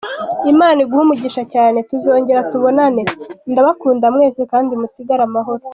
Imana iguhe umugisha cyane, tuzongera tubonane, ndabakunda mwese kandi musigare amahoro.